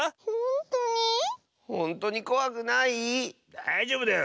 だいじょうぶだよ。